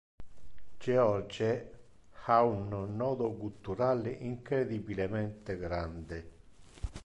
George ha un nodo guttural incredibilemente grande.